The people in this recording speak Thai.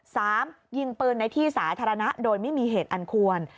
ยิงปืนในที่สาธารณะโดยไม่มีเหตุอันควร